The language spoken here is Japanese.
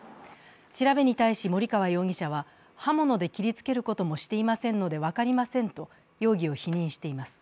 調べに対し森川容疑者は、刃物で切りつけることもしていませんので分かりませんと容疑を否認しています。